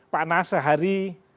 pak nas sehari